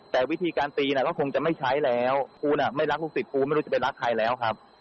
แต่วิธีการตีน่ะก็คงจะไม่ใช้แล้วกูน่ะไม่รักลูกศิษย์กูไม่รู้จะไปรักใครแล้วครับ